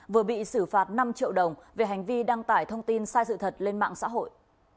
vừa bị xử phạt năm triệu đồng về hành vi đăng tải thông tin sai sự thật lên mạng xã hội